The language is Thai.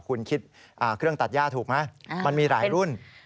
คุณคิดเครื่องตัดย่าถูกไหมมันมีหลายรุ่น